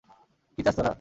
কী চাস তোরা?